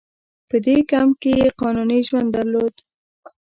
په دې کمپ کې یې قانوني ژوند درلود.